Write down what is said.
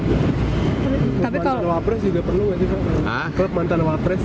tapi kalau club mantan wapres juga perlu gak sih mbak